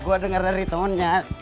gue denger dari temennya